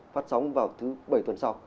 phát sóng vào thứ bảy tuần sau